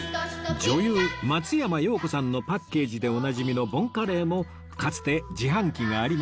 女優松山容子さんのパッケージでおなじみのボンカレーもかつて自販機がありました